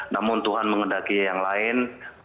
namun tuhan mengendaki yang lain